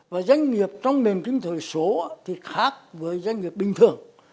và doanh nghiệp trong nền kinh tế số thì khác với doanh nghiệp bình thường